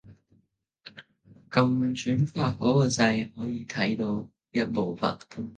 撳轉發嗰個掣可以睇到一部分